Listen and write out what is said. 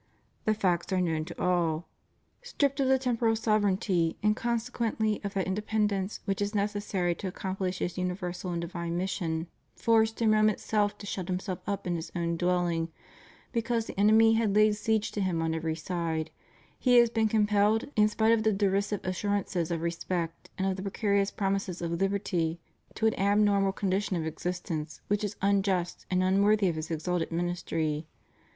The facts are known to all. Stripped of the temporal sovereignty and consequently of that independence which is necessary to accomplish his univereal and divine mission; forced in Rome itself to shut himself up in his own dwell ing because the enemy has laid siege to him on every side, he has been compelled in spite of the derisive assurances of respect and of the precarious promises of liberty to an abnormal condition of existence which is unjust and un worthy of his exalted ministry.